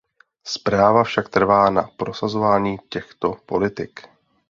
Zpráva však trvá na prosazování těchto politik.